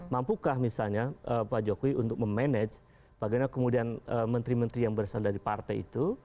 mampukah misalnya pak jokowi untuk memanage bagaimana kemudian menteri menteri yang berasal dari partai itu